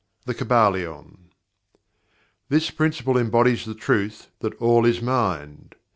The Kybalion. This Principle embodies the truth that "All is Mind."